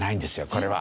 これは。